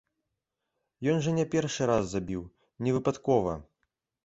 Ён жа не першы раз забіў, не выпадкова!